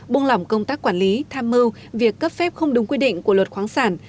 buông lỏng công tác quản lý tham mưu việc cấp phép không đúng quy định của luật khoáng sản